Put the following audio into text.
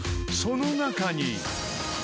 ［その中に］